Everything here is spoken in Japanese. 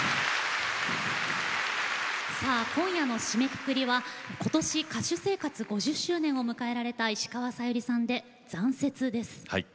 今夜の締めくくりはことし歌手生活５０周年を迎えられた石川さゆりさんで「残雪」です。